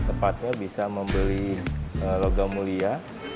tepatnya bisa membeli logam mulia